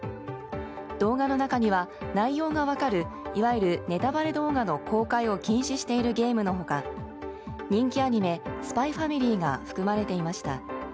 動画の中には、内容が分かるいわゆるネタバレ動画の公開を禁止しているゲームのほか人気アニメ「スパイファミリー」が含まれていました。